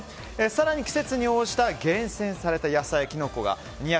更に季節に応じた厳選された野菜、キノコが２７０ｇ。